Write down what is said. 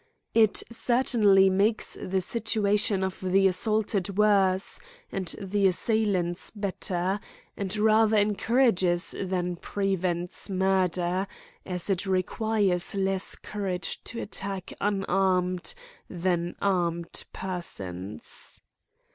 It cer tainly makes the situation of the assaulted worse, and of the assailants better, arid rather encoura ges thaii prevents murder, as it requires less cou rage to attack unarmed than armed persons.